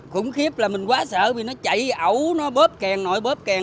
khủng khiếp là mình quá sợ vì nó chạy ẩu nó bóp kèn nổi bóp kèn